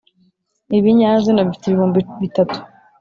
ibinyazina bifite ibicumbi bitatu